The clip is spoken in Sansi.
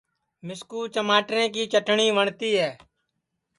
مِسکُو چماٹرے کی چٹٹؔی وٹؔتی ہے